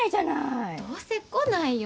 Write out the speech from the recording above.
どうせ来ないよ！